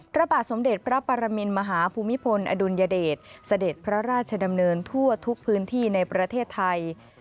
พระบาทสมเด็จพระปรมินมหาภูมิพลอดุลยเดชเสด็จพระราชดำเนินทั่วทุกพื้นที่ในประเทศไทย